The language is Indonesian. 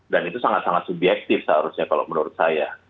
dan itu sangat sangat subjektif seharusnya kalau menurut saya